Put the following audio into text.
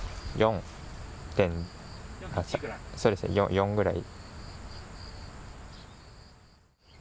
４ぐらい。